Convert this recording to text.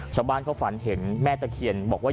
ชาวบ้านเขาฝันเห็นแม่ตะเคียนบอกว่า